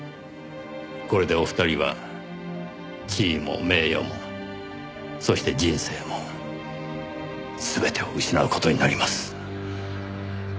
これでお二人は地位も名誉もそして人生も全てを失う事になります。